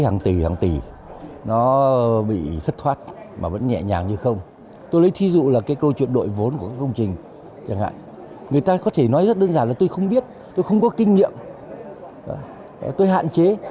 người ta có thể nói rất đơn giản là tôi không biết tôi không có kinh nghiệm tôi hạn chế